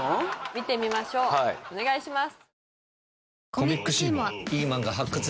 見てみましょうお願いします